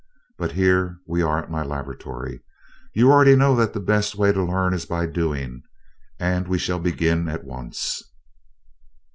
But here we are at my laboratory. You already know that the best way to learn is by doing, and we shall begin at once."